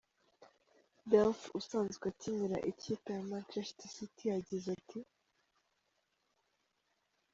Delph, usanzwe akinira ikipe ya Manchester City, yagize ati:.